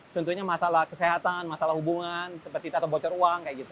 contohnya masalah kesehatan masalah hubungan atau bocor uang seperti itu